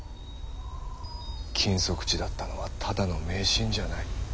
禁足地だったのはただの迷信じゃない。